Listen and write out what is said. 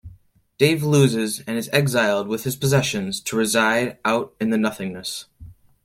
Dave loses, and is exiled with his possessions to reside out in the nothingness.